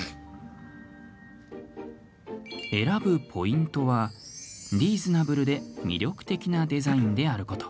選ぶポイントはリーズナブルで魅力的なデザインであること。